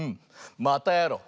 またやろう！